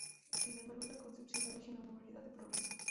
Sin embargo esa concepción da origen a una variedad de problemas.